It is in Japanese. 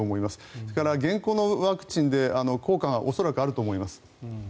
それから、現行のワクチンで効果はおそらくあると思います。